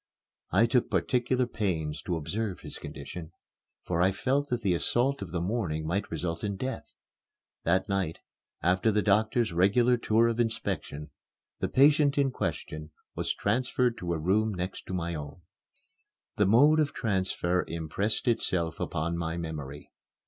I took particular pains to observe his condition, for I felt that the assault of the morning might result in death. That night, after the doctor's regular tour of inspection, the patient in question was transferred to a room next my own. The mode of transfer impressed itself upon my memory.